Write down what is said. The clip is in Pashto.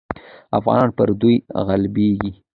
افغانان پر دوی غالبېږي.